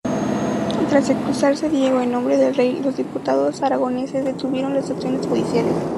Tras excusarse Diego en nombre del rey, los diputados aragoneses detuvieron las acciones judiciales.